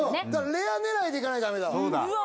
レア狙いでいかないとだめだわ